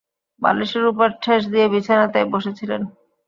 বালিশের উপর ঠেস দিয়ে বিছানাতেই বসে ছিলেন।